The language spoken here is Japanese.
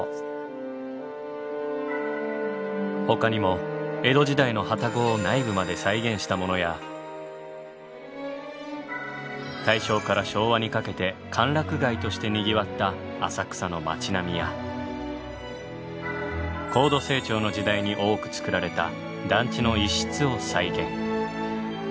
ほかにも江戸時代の旅籠を内部まで再現したものや大正から昭和にかけて歓楽街としてにぎわった浅草の町並みや高度成長の時代に多く造られた団地の一室を再現。